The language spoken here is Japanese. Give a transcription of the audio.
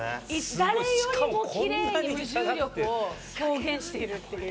誰よりもキレイに無重力を表現しているっていう。